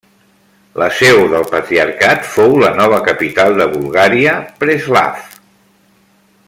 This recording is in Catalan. La seu del Patriarcat fou la nova capital de Bulgària, Preslav.